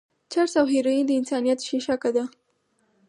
چرس او هيروين د انسانيت شېشکه ده.